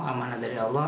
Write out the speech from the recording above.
amanah dari allah